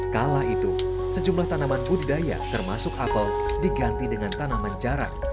kala itu sejumlah tanaman budidaya termasuk apel diganti dengan tanaman jarak